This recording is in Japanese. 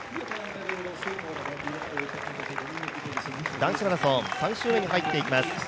男子マラソン、３周目に入っていきます。